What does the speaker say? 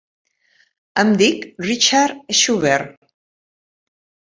Em dic Richard Schubert.